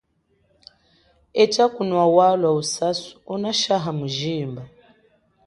Etsha kunwa walwa usasu unashaha mujimba.